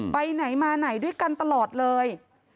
ไปไหนมาไหนด้วยกันตลอดเลย